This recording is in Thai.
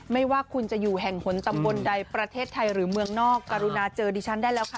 ไม่ว่าคุณจะอยู่แห่งหนตำบลใดประเทศไทยหรือเมืองนอกกรุณาเจอดิฉันได้แล้วค่ะ